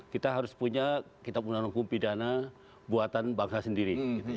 kita harus punya kita punya hukum pidana buatan bangsa sendiri